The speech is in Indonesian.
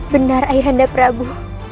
benar ayahanda prabu